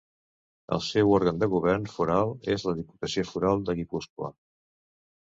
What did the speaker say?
El seu òrgan de govern foral és la Diputació Foral de Guipúscoa.